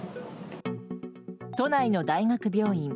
都内の大学病院。